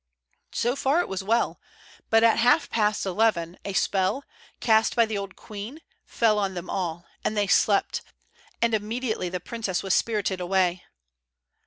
So far it was well; but at half past eleven a spell, cast by the old queen, fell on them all, and they slept, and immediately the princess was spirited away.